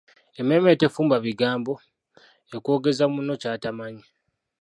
Emmeeme etefumba bigambo, ekwogeza munno ky'atamanyi.